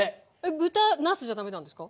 豚なすじゃダメなんですか？